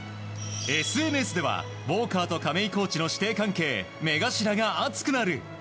ＳＮＳでは、ウォーカーと亀井コーチの師弟関係目頭が熱くなる。